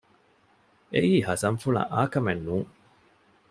އެއީ ހަސަންފުޅަށް އާކަމެއް ނޫން